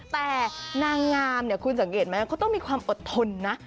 แต่นางงามเนี่ยคุณสังเกตไหมเขาต้องมีความอดทนนะ